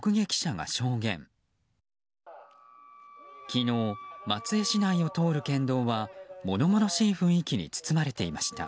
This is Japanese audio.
昨日、松江市内を通る県道は物々しい雰囲気に包まれていました。